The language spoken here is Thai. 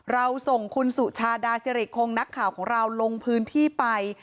เราส่งคุณสุชาดาสิริคงนักข่าวของเราลงพื้นที่ไป